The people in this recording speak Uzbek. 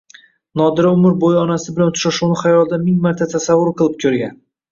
Nodira umr bo`yi onasi bilan uchrashuvni xayolida ming marta tasavvur qilib ko`rgan